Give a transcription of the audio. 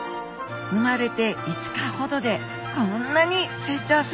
生まれて５日ほどでこんなに成長するんですね！